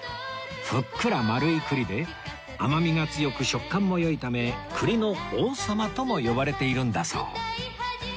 ふっくら丸い栗で甘みが強く食感も良いため栗の王様とも呼ばれているんだそう